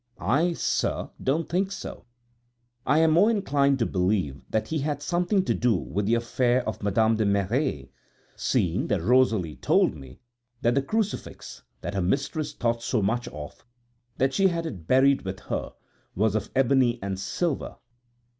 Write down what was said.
I, sir, don't think so; I am more inclined to believe that he had something to do with the affair of Madame de Merret, seeing that Rosalie told me that the crucifix, that her mistress thought so much of, that she had it buried with her, was of ebony and silver.